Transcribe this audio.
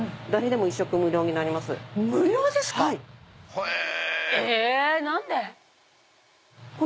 へぇ！